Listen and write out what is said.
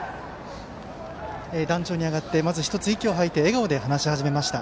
壇上に上がって１つ息をついて笑顔で話し始めました。